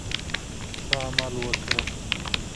ښه عمل وکړه.